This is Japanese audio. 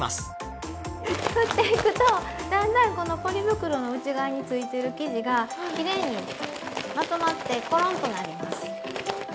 ふっていくとだんだんこのポリ袋の内側についてる生地がきれいにまとまってコロンとなります。